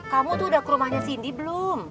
kamu tuh udah ke rumahnya cindy belum